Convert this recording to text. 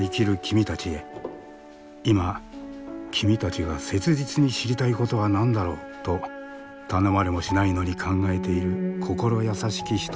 「今君たちが切実に知りたいことは何だろう？」と頼まれもしないのに考えている心優しき人たちがいる。